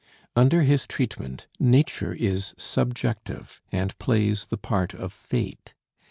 Under his treatment nature is subjective, and plays the part of fate.